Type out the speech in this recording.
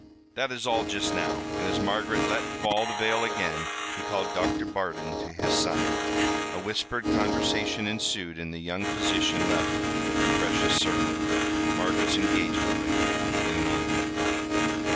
"That is all just now," and as Margaret let fall the veil again, he called Doctor Bardon to his side. A whispered conversation ensued, and the young physician left with the precious circlet Margaret's engagement ring in an envelope.